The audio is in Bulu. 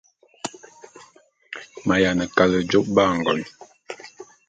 Mi ayiane kale jôp ba ngon.